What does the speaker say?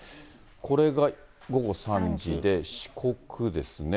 これが午後３時で、四国ですね。